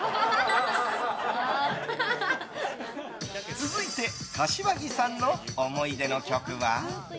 続いて、柏木さんの思い出の曲は？